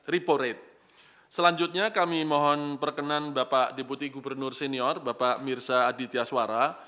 repo rate selanjutnya kami mohon perkenan bapak deputi gubernur senior bapak mirsa aditya suara